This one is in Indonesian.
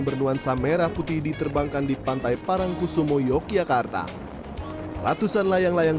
bernuansa merah putih diterbangkan di pantai parangkusumo yogyakarta ratusan layang layang